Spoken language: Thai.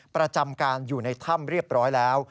ประจำการอยู่ในถ้ำเรียบร้อยแล้ว